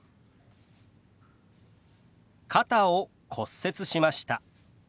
「肩を骨折しました」。